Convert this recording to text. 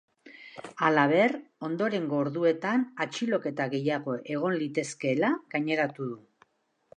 Halaber, ondorengo orduetan atxiloketa gehiago egon litezkeela gaineratu du.